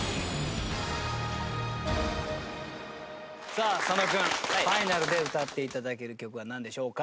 さあ佐野君ファイナルで歌って頂ける曲はなんでしょうか？